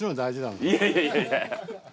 いやいやいや。